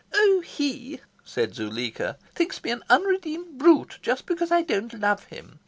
"Oh HE," said Zuleika, "thinks me an unredeemed brute; just because I don't love him.